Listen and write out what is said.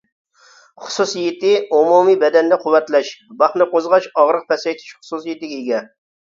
خۇسۇسىيىتى:ئومۇمىي بەدەننى قۇۋۋەتلەش، باھنى قوزغاش، ئاغرىق پەسەيتىش خۇسۇسىيىتىگە ئىگە.